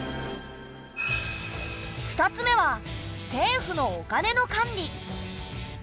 ２つ目は政府のお金の管理。